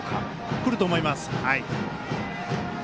くると思います。